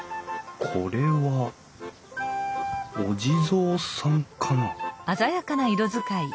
これはお地蔵さんかな？